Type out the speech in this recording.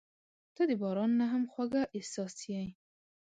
• ته د باران نه هم خوږه احساس یې.